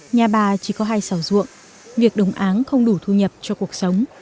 nhà bà chỉ có hai xào ruộng việc đồng áng không đủ thu nhập cho cuộc sống